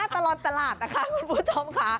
ตลอดตลาดนะคะคุณผู้ชมค่ะ